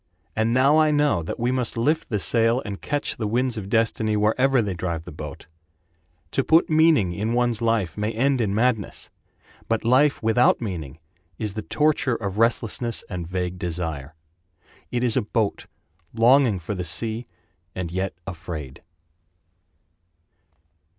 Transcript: And now I know that we must lift the sail And catch the winds of destiny Wherever they drive the boat. To put meaning in one's life may end in madness, But life without meaning is the torture Of restlessness and vague desire— It is a boat longing for the sea and yet afraid.